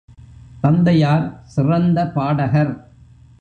தந்தையார் சிறந்த பாடகர்.